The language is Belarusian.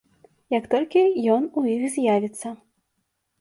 Як толькі ён у іх з'явіцца.